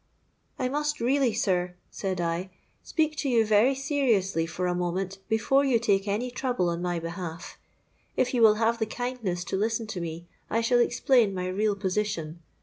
'—'I must really, sir,' said I, 'speak to you very seriously for a moment before you take any trouble on my behalf. If you will have the kindness to listen to me, I shall explain my real position.